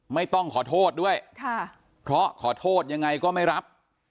ไม่ต้องขอโทษด้วยค่ะเพราะขอโทษยังไงก็ไม่รับ